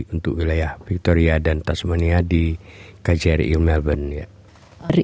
untuk wilayah victoria dan tasmania di kjri e melbourne